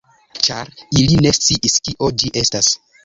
Ĉar ili ne sciis, kio ĝi estas.